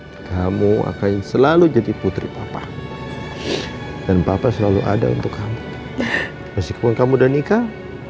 hai kamu akan selalu jadi putri papa dan papa selalu ada untuk kamu masih pun kamu udah nikah